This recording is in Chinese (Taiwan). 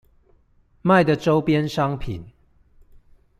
賣的週邊商品